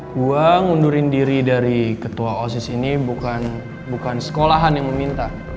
gua ngundurin diri dari ketua osis ini bukan sekolahan yang meminta